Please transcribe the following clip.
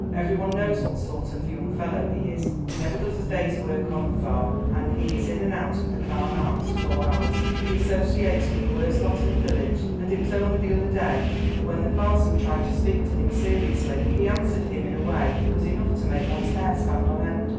Every one knows what sort of young fellow he is; he never does a day's work on the farm, and he is in and out of the 'Carne Arms' at all hours. He associates with the worst lot in the village, and it was only the other day that when the parson tried to speak to him seriously, he answered him in a way that was enough to make one's hair stand on end."